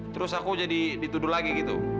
terus aku jadi dituduh lagi gitu